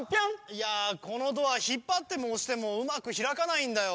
いやこのドアひっぱってもおしてもうまくひらかないんだよ。